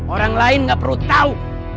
orang lain gak perlu tahu